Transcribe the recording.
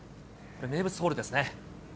名物ホールですね。